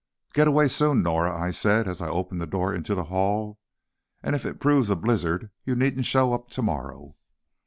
"Get away soon, Norah," I said, as I opened the door into the hall, "and if it proves a blizzard you needn't show up tomorrow."